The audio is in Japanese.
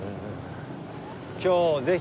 今日ぜひ。